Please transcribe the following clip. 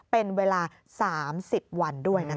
เป็นเวลา๓๐วันด้วย